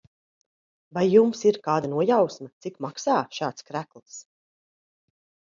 Vai jums ir kāda nojausma, cik maksā šāds krekls?